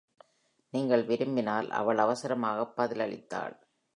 "நீங்கள் விரும்பினால்," அவள் அவசரமாக பதிலளித்தாள்.